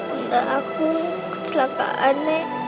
muda aku kecelakaannya